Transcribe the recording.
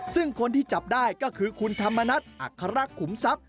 ซึ่งคนที่จับได้ก็คือคุณธรรมนัฐอัครักษ์ขุมทรัพย